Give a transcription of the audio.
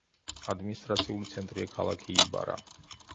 ადმინისტრაციული ცენტრია ქალაქი იბარა.